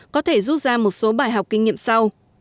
có thể rút ra một số bài học kinh nghiệm sau